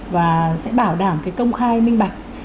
và sẽ bảo đảm công khai minh bạch